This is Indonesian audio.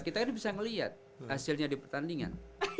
kita kan bisa ngeliat hasilnya di pertandingan